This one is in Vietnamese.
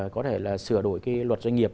có thể là sửa đổi cái luật doanh nghiệp